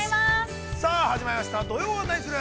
さあ始まりました「土曜はナニする！？」。